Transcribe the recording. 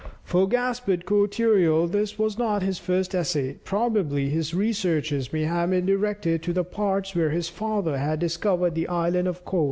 For Gaspard Cortereal this was not his first essay. Probably, his researches may have been directed to the parts where his father had discovered the Island of Cod.